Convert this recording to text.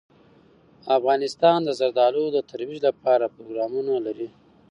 افغانستان د زردالو د ترویج لپاره پروګرامونه لري.